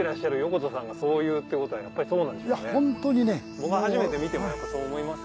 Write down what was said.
僕が初めて見てもやっぱそう思いますけど。